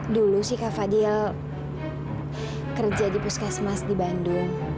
dulu sih kak fadil kerja di puskesmas di bandung